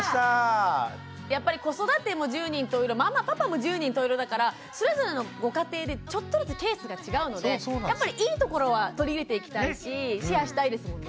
やっぱり子育ても十人十色ママパパも十人十色だからそれぞれのご家庭でちょっとずつケースが違うのでやっぱりいいところは取り入れていきたいしシェアしたいですもんね。